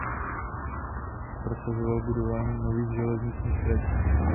Prosazoval budování nových železničních tratí.